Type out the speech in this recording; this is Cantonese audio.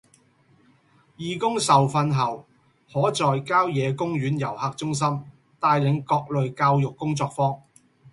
義工受訓後可在郊野公園遊客中心帶領各類教育工作坊